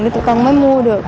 để tụi con mới mua được